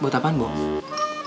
buat apaan mbak